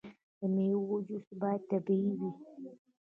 د میوو جوس باید طبیعي وي.